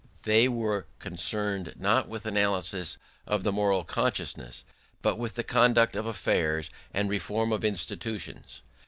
They were concerned not with analysis of the moral consciousness but with the conduct of affairs and the reform of institutions.